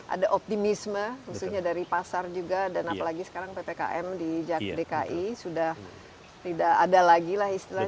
ada optimisme khususnya dari pasar juga dan apalagi sekarang ppkm di dki sudah tidak ada lagi lah istilahnya